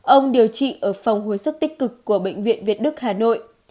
ông điều trị ở phòng hồi sức tích cực của bệnh viện việt đức hà nội